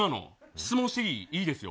質問していい？いいですよ。